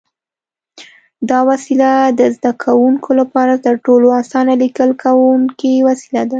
دا وسیله د زده کوونکو لپاره تر ټولو اسانه لیکل کوونکی وسیله ده.